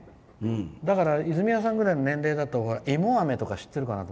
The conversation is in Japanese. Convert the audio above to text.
だから泉谷さんぐらいの年齢だと芋あめとか知ってるかなと。